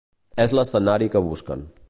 És l'escenari que busquen.